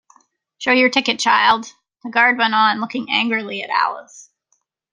‘Show your ticket, child!’ the Guard went on, looking angrily at Alice.